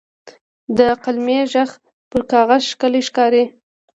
د قلمي ږغ پر کاغذ ښکلی ښکاري.